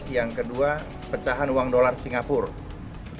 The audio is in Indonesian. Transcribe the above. yang kedua pecahan uang dolar singapura